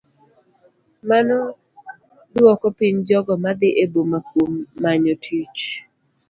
Mano duoko piny jogo madhi e boma kuom manyo tich.